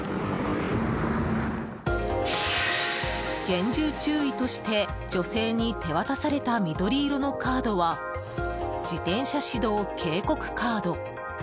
厳重注意として女性に手渡された緑色のカードは自転車指導警告カード。